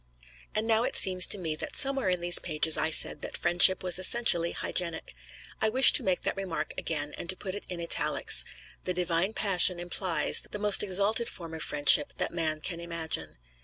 And now it seems to me that somewhere in these pages I said that friendship was essentially hygienic. I wish to make that remark again, and to put it in italics. The Divine Passion implies the most exalted form of friendship that man can imagine.